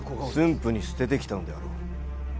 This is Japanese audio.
府に捨ててきたのであろう。